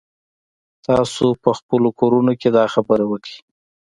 تاسو په خپلو کورونو کښې دا خبره وکئ.